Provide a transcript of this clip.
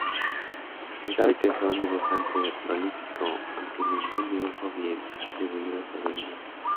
Se sabe que fue un dibujante prolífico, aunque ningún dibujo bien atribuido sobrevive.